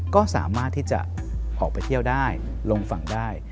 ก็สามารถที่จะออกไปเที่ยวได้ลงฝั่งได้